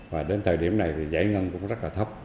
và đến thời điểm này thì giải ngân cũng rất là thấp